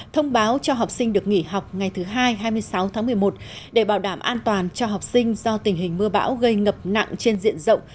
thông báo cho học sinh được nghỉ học ngày thứ hai hai mươi sáu tháng một mươi một để bảo đảm an toàn cho học sinh do tình hình mưa bão gây ngập nặng trên diện rộng